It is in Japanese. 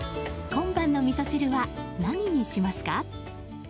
今晩のみそ汁は何にしますか？